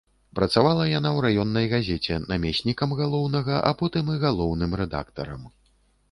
Працавала яна ў раённай газеце намеснікам галоўнага, а потым і галоўным рэдактарам.